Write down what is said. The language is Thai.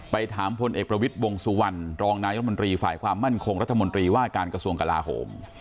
ถามพลเอกประวิทย์วงสุวรรณรองนายรัฐมนตรีฝ่ายความมั่นคงรัฐมนตรีว่าการกระทรวงกลาโหม